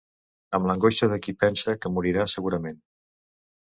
Amb l'angoixa de qui pensa que morirà segurament.